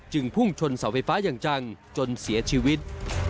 พุ่งชนเสาไฟฟ้าอย่างจังจนเสียชีวิต